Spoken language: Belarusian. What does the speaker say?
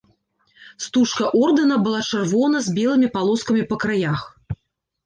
Стужка ордэна была чырвона з белымі палоскамі па краях.